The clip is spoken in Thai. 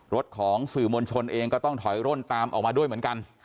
ของสื่อมวลชนเองก็ต้องถอยร่นตามออกมาด้วยเหมือนกัน